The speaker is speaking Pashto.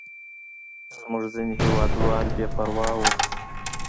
زموږ ځینې هېوادوال بې پروا وو.